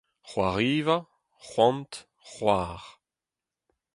c’hoariva, c’hoant, c’hoar